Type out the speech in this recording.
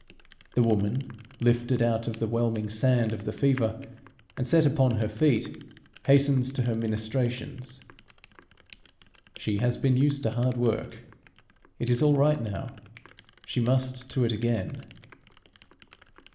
This woman, lifted out of the whelming sand of the fever and set upon her feet, hastens to her ministrations. She has been used to hard work. It is all right now; she must to it again.